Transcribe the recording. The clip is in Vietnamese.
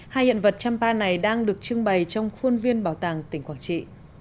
hai hiện vật trăm ba này đang được trưng bày trong khuôn viên bảo tàng tỉnh quảng trị